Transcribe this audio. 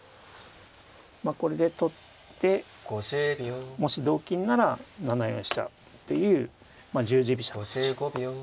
これで取ってもし同金なら７四飛車という十字飛車を。